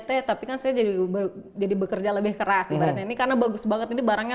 t tapi kan saya jadi bekerja lebih keras ibaratnya ini karena bagus banget ini barangnya